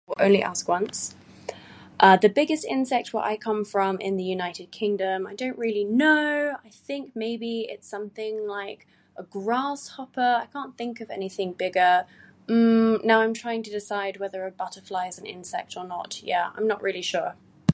Only ask once. Uh, the biggest insect where I come from in the United Kingdom, I don't really know, I think maybe it's something like a Grasshopper. I can't think of anything bigger. Hmm... now I'm trying to decide whether a Butterfly is an insect or not. Yeah, I'm not really sure.